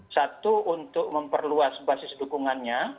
satu untuk memperluas basis dukungannya